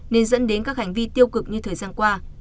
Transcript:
nên dẫn đến các hành vi tiêu cực như thời gian qua